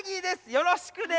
よろしくね。